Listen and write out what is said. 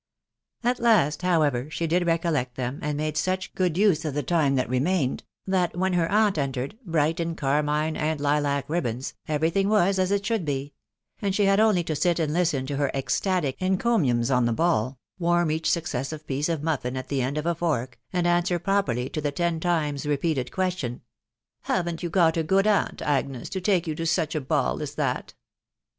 At last, however, she did recollect them, and made such good use of the time that remained, that when her aunt entered, bright in carmine and lilac ri bands, every thing was as it should be ; and she had only to sit and listen to her ecstatic encomiums on the ball, warm each successive piece of muffin at the end of a ioiV, «n& UMrast pn>pedy to the tea times reneated question, — THE WIDOW BARNABY. 189 " Hav'n't you got a good aunt, Agnes, to take you to such a ball as that?